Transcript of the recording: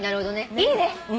いいね。